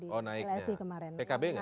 jadi lsi kemarin